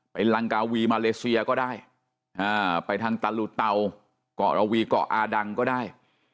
ลังกาวีมาเลเซียก็ได้ไปทางตะลุเตาเกาะระวีเกาะอาดังก็ได้